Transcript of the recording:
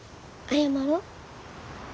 謝ろう。